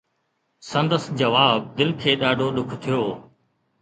سندس جواب دل کي ڏاڍو ڏک ٿيو